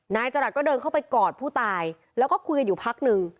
นายของร้านก็เดินเข้ากอดผู้ตายแล้วก็คุยอยู่นึง